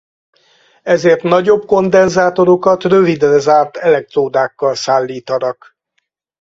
Ezért nagyobb kondenzátorokat rövidre zárt elektródákkal szállítanak.